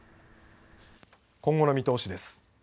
今後の見通しです。